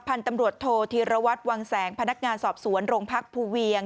พันธุ์ตำรวจโทษธีรวัตรวังแสงพนักงานสอบสวนโรงพักภูเวียง